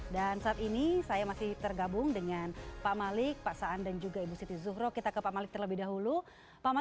dia mengarenyakan wolf dan polity aiktewe